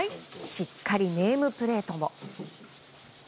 しっかりネームプレートも。